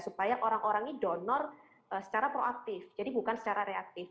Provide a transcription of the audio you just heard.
supaya orang orang ini donor secara proaktif jadi bukan secara reaktif